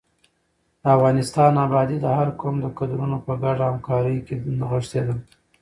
د افغانستان ابادي د هر قوم د کدرونو په ګډه همکارۍ کې نغښتې ده.